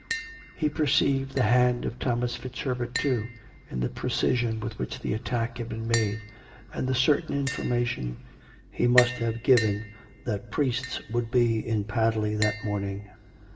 ... He perceived the hand of Thomas FitzHerbert, too, in the precision with which the attack had been made, and the certain information he must have given that priests would be in Padley that morning.